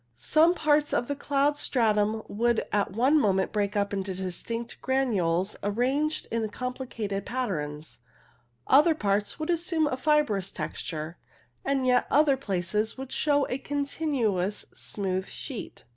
Some parts of the cloud stratum would at one moment break up into distinct granules arranged in complicated patterns, other parts would assume a fibrous texture, and yet other places would show a continuous smooth sheet.